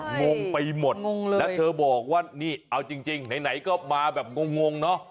งงไปหมดงงเลยแล้วเธอบอกว่านี่เอาจริงไหนก็มาแบบงงเนอะ